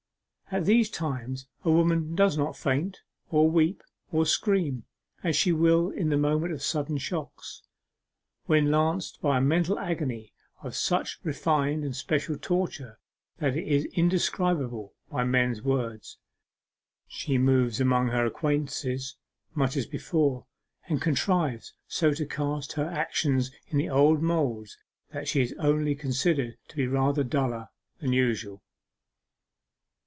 At these times a woman does not faint, or weep, or scream, as she will in the moment of sudden shocks. When lanced by a mental agony of such refined and special torture that it is indescribable by men's words, she moves among her acquaintances much as before, and contrives so to cast her actions in the old moulds that she is only considered to be rather duller than usual.